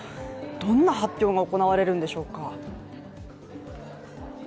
どんな発表が行われるんでしょうか。